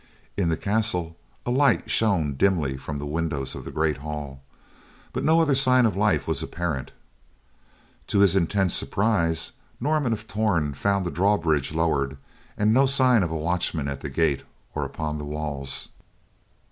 In the castle, a light shone dimly from the windows of the great hall, but no other sign of life was apparent. To his intense surprise, Norman of Torn found the drawbridge lowered and no sign of watchmen at the gate or upon the walls.